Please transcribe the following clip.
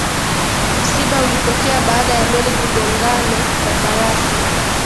msiba ulitokea baada ya meli kugongano na barafu